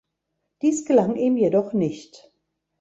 Dies gelang ihm jedoch nicht.